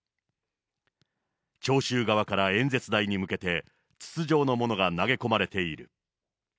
聴衆側から演説台に向けて、筒状のものが投げ込まれている。